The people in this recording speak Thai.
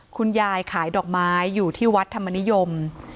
คุณยายขายดอกไม้อยู่ที่วัดธรรมนิยม